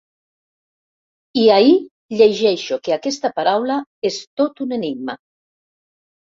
I ahir llegeixo que aquesta paraula és tot un enigma.